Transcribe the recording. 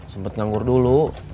sempet nganggur dulu